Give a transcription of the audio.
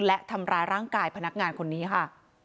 และทำร้ายร่างกายพนักงานคนนี้ค่ะ